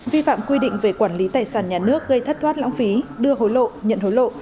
vi phạm quy định về quản lý tài sản nhà nước gây thất thoát lãng phí đưa hối lộ nhận hối lộ